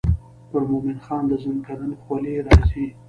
پر مومن خان د زکندن خولې راځي.